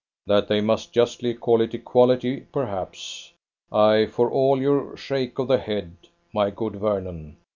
That they may justly call it equality, perhaps! Ay, for all your shake of the head, my good Vernon!